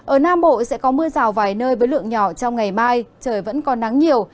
ở nam bộ sẽ có mưa rào vài nơi với lượng nhỏ trong ngày mai trời vẫn còn nắng nhiều